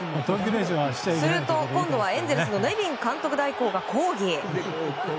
すると、今度はエンゼルスのネビン監督代行が抗議。